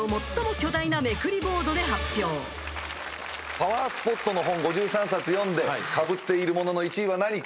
パワースポットの本５３冊読んでかぶっているものの１位は何か。